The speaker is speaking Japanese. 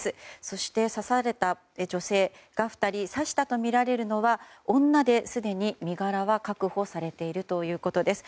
そして、刺された女性が２人刺したとみられるのは女ですでに身柄は確保されているということです。